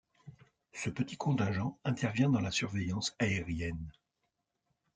Ce petit contingent intervient dans la surveillance aérienne.